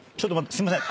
すいません。